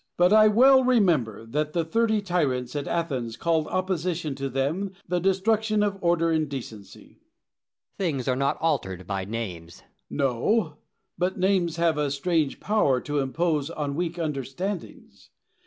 But I well remember that the thirty tyrants at Athens called opposition to them the destruction of order and decency. Plato. Things are not altered by names. Diogenes. No, but names have a strange power to impose on weak understandings.